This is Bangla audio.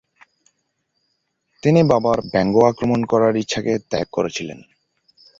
তিনি বাবার বঙ্গ আক্রমণ করার ইচ্ছাকে ত্যাগ করেছিলেন।